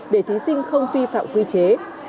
để thí sinh không phi phạm quy chế